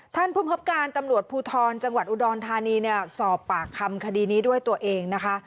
ท่านภูมิคับการตำรวจภูทรจังหวัดอุดรธานีเนี่ยสอบปากคำคดีนี้ด้วยตัวเองนะคะ